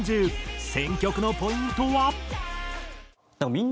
選曲のポイントは？